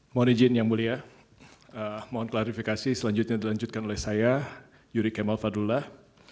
mohon izin yang mulia mohon klarifikasi selanjutnya dilanjutkan oleh saya yuri kemal fadrullah